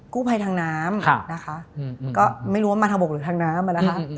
กู้ภัยทางน้ำไม่รู้ว่ามะถะบกหรือทางน้ำ